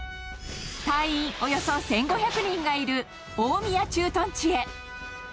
隊員およそ１５００人がいる大宮駐屯地へ。